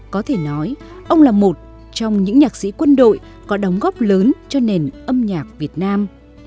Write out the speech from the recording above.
có thể nói ông là một trong những nhạc sĩ quân đội có đóng góp lớn cho nền âm nhạc việt nam